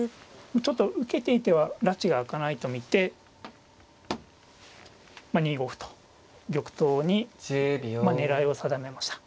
ちょっと受けていてはらちが明かないと見て２五歩と玉頭に狙いを定めました。